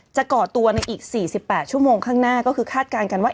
ก่อตัวในอีก๔๘ชั่วโมงข้างหน้าก็คือคาดการณ์กันว่า